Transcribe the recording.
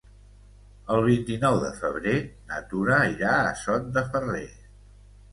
El vint-i-nou de febrer na Tura irà a Sot de Ferrer.